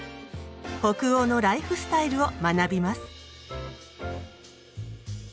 北欧のライフスタイルを学びます。